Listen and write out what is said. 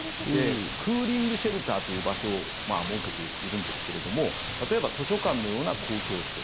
クーリングシェルターという場所を設けているんですが例えば、図書館のような公共施設